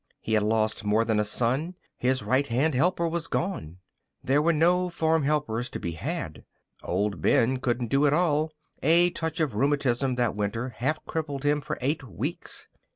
He had lost more than a son; his right hand helper was gone. There were no farm helpers to be had. Old Ben couldn't do it all. A touch of rheumatism that winter half crippled him for eight weeks.